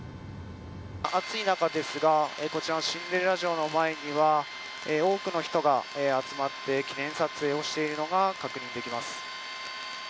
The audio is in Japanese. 暑い中ですがこちらのシンデレラ城の前には多くの人が集まって記念撮影をしているのが確認できます。